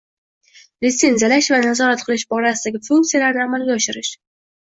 litsenziyalash va nazorat qilish borasidagi funksiyalarni amalga oshirish;